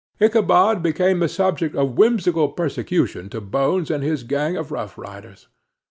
Ichabod became the object of whimsical persecution to Bones and his gang of rough riders.